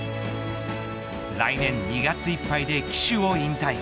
来年２月いっぱいで騎手を引退。